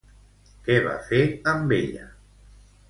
Què va fer amb ella?